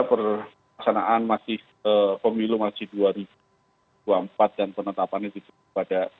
perlaksanaan masih pemilu masih dua ribu dua puluh empat dan penetapannya ditutup pada